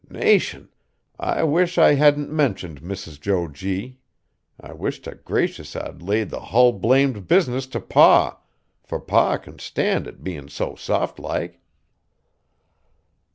"Nation! I wish I hadn't mentioned Mrs. Jo G. I wish t' gracious I'd laid the hull blamed business t' Pa, fur Pa kin stand it bein' so soft like."